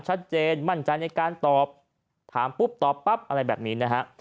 ชัดเจนมั่นใจในการตอบถามปุ๊บตอบปั๊บอะไรแบบนี้นะฮะ